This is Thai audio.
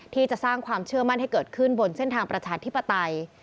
ที่จะสร้างความเชื่อมั่นให้เกิดขึ้นบนเส้นทางประชาธิปไตย